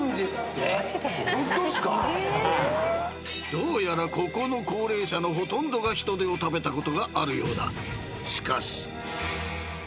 ［どうやらここの高齢者のほとんどがヒトデを食べたことがあるようだ］